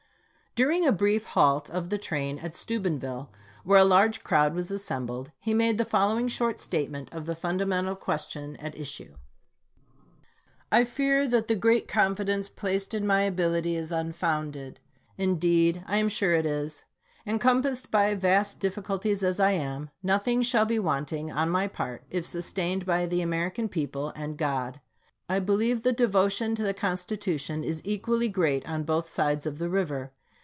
During a brief halt of the train at Steuben ville, where a large crowd was assembled, he made the following short statement of the fundamental ques tion at issue : I fear that the great confidence placed in my ability is unfounded. Indeed, I am sure it is. Encompassed by vast difficulties as I am, nothing shall be wanting on my part, if sustained by the American people and God. I believe the devotion to the Constitution is equally great on both sides of the river.